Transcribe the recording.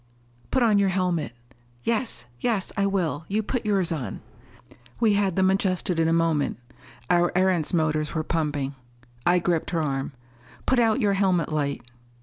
"Put on your helmet." "Yes yes, I will. You put yours on." We had them adjusted in a moment. Our Erentz motors were pumping. I gripped her. "Put out your helmet light."